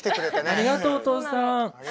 ありがとうお父さん。